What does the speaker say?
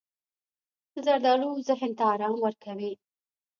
زردالو ذهن ته ارام ورکوي.